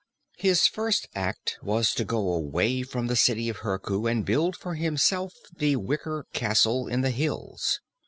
His first act was to go away from the City of Herku and build for himself the Wicker Castle in the hills.